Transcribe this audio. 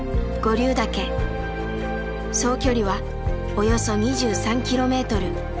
総距離はおよそ２３キロメートル。